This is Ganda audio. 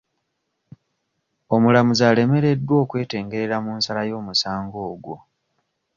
Omulamuzi alemereddwa okwetengerera mu nsala y'omusango ogwo.